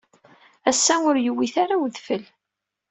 Ass-a ur yuwit ara udfel.